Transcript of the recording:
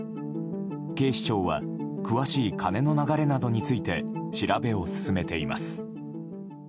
警視庁は詳しい金の流れなどについて調べを進めています。